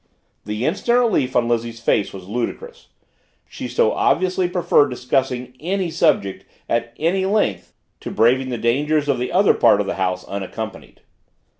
The instant relief on Lizzie's face was ludicrous; she so obviously preferred discussing any subject at any length to braving the dangers of the other part of the house unaccompanied.